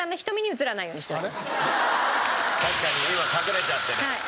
確かに今隠れちゃってる。